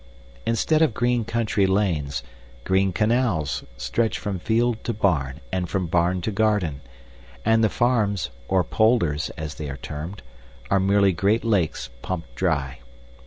Instead of green country lanes, green canals stretch from field to barn and from barn to garden; and the farms, or polders, as they are termed, are merely great lakes pumped dry.